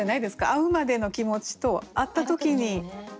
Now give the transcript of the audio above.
会うまでの気持ちと会った時に。